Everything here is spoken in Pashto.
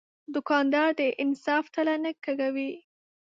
دوکاندار د انصاف تله نه کږوي.